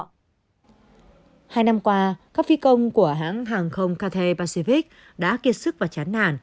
hai năm qua các phi công của hãng hàng không kate pacific đã kiệt sức và chán nản